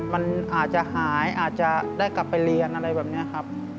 มันอาจจะหายอาจจะได้กลับไปเรียนอะไรแบบนี้ครับ